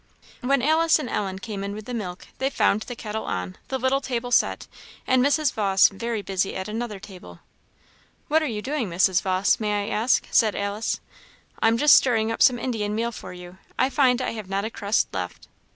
When Alice and Ellen came in with the milk, they found the kettle on, the little table set, and Mrs. Vawse very busy at another table. "What are you doing, Mrs. Vawse, may I ask?" said Alice. "I'm just stirring up some Indian meal for you; I find I have not but a crust left."